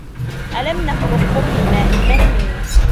أَلَم نَخلُقكُم مِن ماءٍ مَهينٍ